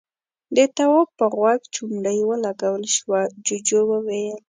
د تواب په غوږ چونډۍ ولګول شوه، جُوجُو وويل: